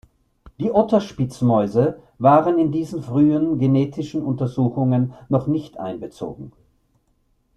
Die Otterspitzmäuse waren in diesen frühen genetischen Untersuchungen noch nicht einbezogen.